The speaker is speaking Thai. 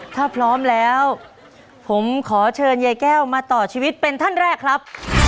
ถ้าพร้อมแล้วผมขอเชิญยายแก้วมาต่อชีวิตเป็นท่านแรกครับ